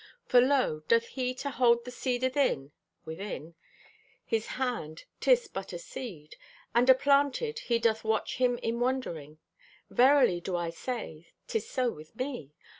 For lo, doth he to hold the seed athin (within) his hand, 'tis but a seed. And aplanted he doth watch him in wondering. Verily do I say, 'tis so with me.